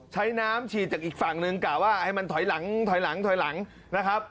ใช้น้ำฉีดจากอีกฝั่งหนึ่งกะว่าให้มันถอยหลังถอยหลังถอยหลังนะครับ